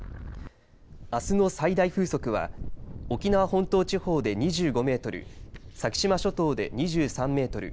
あすの最大風速は沖縄本島地方で２５メートル先島諸島で２３メートル